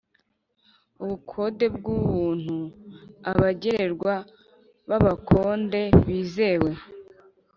Ubukonde bw ubuntu Abagererwa b Abakonde bizewe